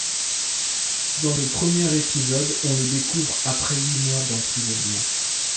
Dans le premier épisode, on le découvre après huit mois d'emprisonnement.